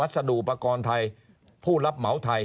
สดุอุปกรณ์ไทยผู้รับเหมาไทย